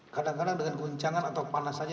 kadang kadang dengan guncangan atau panas saja